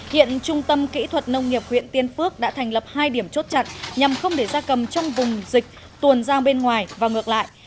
hiện trung tâm kỹ thuật nông nghiệp huyện tiên phước đã thành lập hai điểm chốt chặn nhằm không để gia cầm trong vùng dịch tuồn ra bên ngoài và ngược lại